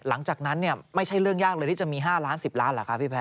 หลังจากนั้นเนี่ยไม่ใช่เรื่องยากเลยที่จะมี๕ล้าน๑๐ล้านเหรอครับพี่แพ